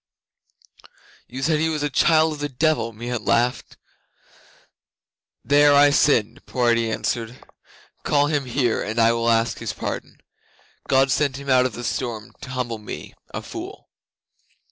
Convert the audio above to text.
'"You said he was a child of the Devil!" Meon laughed. '"There I sinned," poor Eddi answered. "Call him here, and I will ask his pardon. God sent him out of the storm to humble me, a fool."